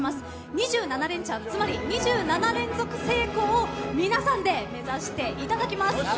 ２７レンチャンつまり２７連続成功を皆さんで目指していただきます。